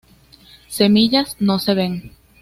Semillas no se ven.